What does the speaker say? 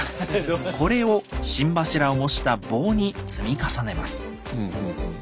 これを心柱を模した棒に積み重ねます。